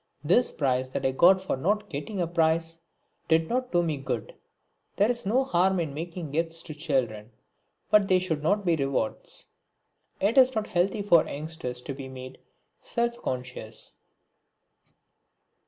This prize that I got for not getting a prize did not do me good. There is no harm in making gifts to children, but they should not be rewards. It is not healthy for youngsters to be made self conscious.